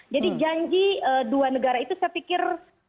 jadi janji dua negara itu saya pikir